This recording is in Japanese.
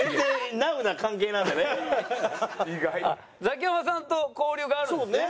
ザキヤマさんと交流があるんですね？